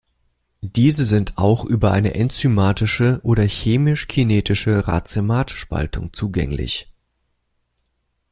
Diese sind auch über eine enzymatische oder chemisch kinetische Racematspaltung zugänglich.